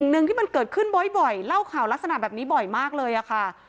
หนึ่งที่มันเกิดขึ้นบ่อยเล่าข่าวลักษณะแบบนี้บ่อยมากเลยค่ะ